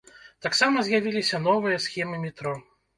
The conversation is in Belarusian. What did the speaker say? Таксама з'явіліся новыя схемы метро.